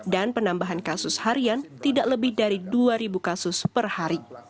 dan penambahan kasus harian tidak lebih dari dua ribu kasus per hari